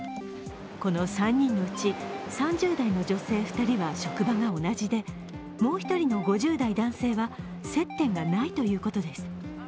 この３人のうち３０代の女性２人は職場が同じで、もう一人の５０代男性は接点がないということです。